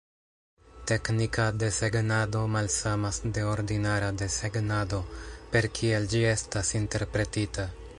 Teknika desegnado malsamas de ordinara desegnado per kiel ĝi estas interpretita.